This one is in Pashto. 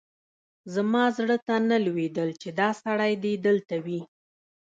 زما زړه ته نه لوېدل چې دا سړی دې دلته وي.